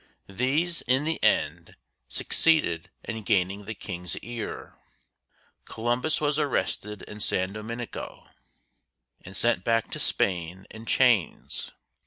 These, in the end, succeeded in gaining the King's ear; Columbus was arrested in San Domingo and sent back to Spain in chains.